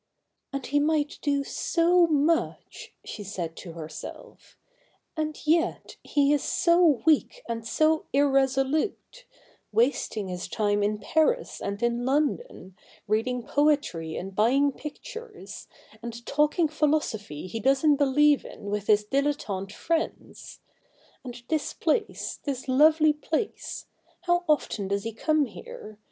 ' And he might do so much,' she said to herself, ' and yet he is so weak and so irresolute ; wasting his time in Paris and in London, reading poetry and buying pictures, and talking philosophy he doesn't believe in with his dilettante friends. And this place— this lovely place — how often does he come here